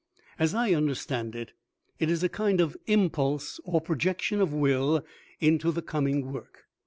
As I understand it, it is a kind of impulse or projection of will into the coming work.